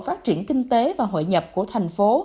phát triển kinh tế và hội nhập của thành phố